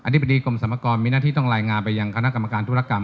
ธิบดีกรมสรรพากรมีหน้าที่ต้องรายงานไปยังคณะกรรมการธุรกรรม